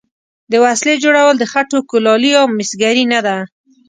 د وسلې جوړول د خټو کولالي یا مسګري نه ده.